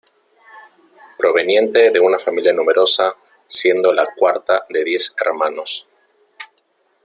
Proveniente de una familia numerosa, siendo la cuarta de diez hermanos.